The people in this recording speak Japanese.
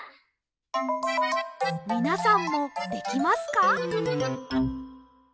みなさんもできますか？